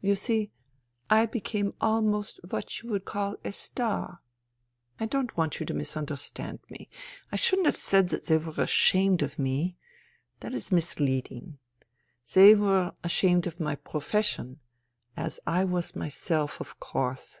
You see, I became almost what 28 FUTILITY you would call ' a star.' I don't want you to mis understand me. I shouldn't have said that they were ashamed of me. That is misleading. They were ashamed of my profession, as I was myself, of course.